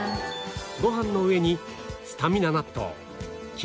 ご飯の上にスタミナ納豆キムチ